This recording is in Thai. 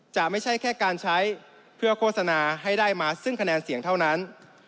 ไม่ใช่แค่การใช้เพื่อโฆษณาให้ได้มาซึ่งคะแนนเสียงเท่านั้น